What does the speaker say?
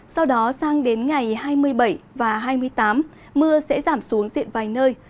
sau đó sang đến ngày hai mươi bảy và hai mươi tám mưa sẽ giảm xuống diện vài nơi